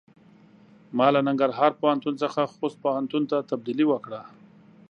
ما له ننګرهار پوهنتون څخه خوست پوهنتون ته تبدیلي وکړۀ.